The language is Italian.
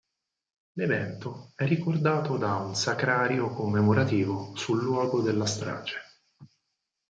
L'evento è ricordato da un sacrario commemorativo sul luogo della strage.